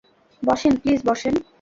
বসেন, প্লিজ বসেন।